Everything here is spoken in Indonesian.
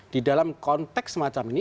di dalam konteks semacam ini